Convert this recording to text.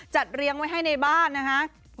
จัดเรียงไว้ให้ในบ้านนะคะ